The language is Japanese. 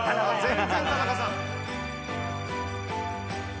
全然田中さん。